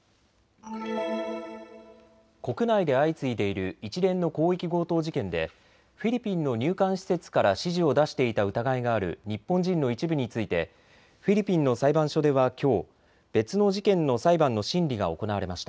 国内で相次いでいる一連の広域強盗事件でフィリピンの入管施設から指示を出していた疑いがある日本人の一部についてフィリピンの裁判所ではきょう別の事件の裁判の審理が行われました。